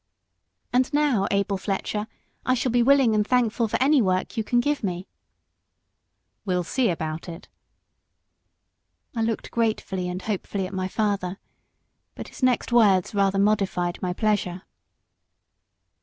"And now, Abel Fletcher, I shall be willing and thankful for any work you can give me." "We'll see about it." I looked gratefully and hopefully at my father but his next words rather modified my pleasure.